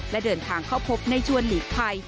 และเดินทางเข้าพบในชวนหลีกภัย